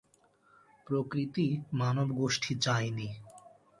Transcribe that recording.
প্রকৃতি মানবগােষ্ঠী চায় নি।